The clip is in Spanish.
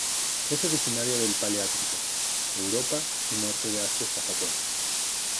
Es originaria del paleártico: Europa y norte de Asia hasta Japón.